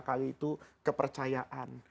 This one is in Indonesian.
kali itu kepercayaan